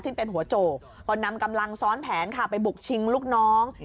ซึ่งเป็นหัวโจกก็นำกำลังซ้อนแผนค่ะไปบุกชิงลูกน้อง